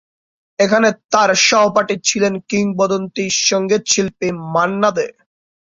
এখানে তাঁর সহপাঠী ছিলেন কিংবদন্তি সঙ্গীতশিল্পী মান্না দে।